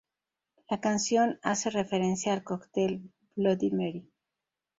La canción hace referencia al cóctel "Bloody Mary".